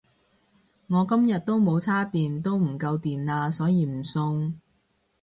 我今日都冇叉電都唔夠電呀所以唔送